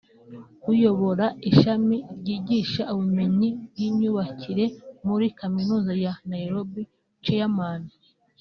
uyobora Ishami ryigisha ubumenyi bw’imyubakire muri Kaminuza ya Nairobi (Chairman